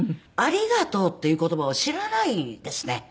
「ありがとう」っていう言葉を知らないですね。